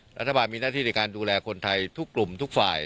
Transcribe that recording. รัฐบาลมีหน้าที่ในการดูแลคนไทยทุกกลุ่มทุกฝ่าย